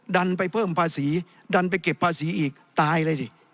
ดันไปเพิ่มภาษีดันไปเก็บภาษีอีกตายเลยสิ